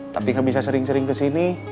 tapi kamu bisa sering sering kesini